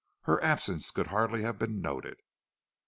Her absence could hardly have been noted.